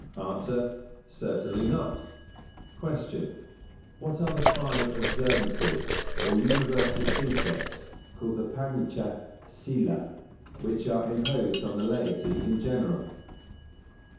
_ A. Certainly not. 153. Q. _What are the five observances, or universal precepts, called the Pañcha Sīla, which are imposed on the laity in general?